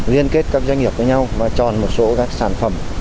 liên kết các doanh nghiệp với nhau và tròn một số các sản phẩm